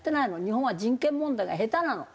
日本は人権問題が下手なの。